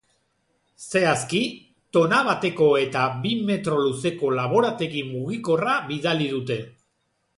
Zehazki, tona bateko eta bi metro luzeko laborategi mugikorra bidali dute.